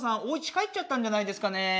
おうち帰っちゃったんじゃないですかね。